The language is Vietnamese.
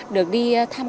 được đi thăm